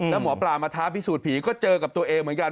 แล้วหมอปลามาท้าพิสูจน์ผีก็เจอกับตัวเองเหมือนกัน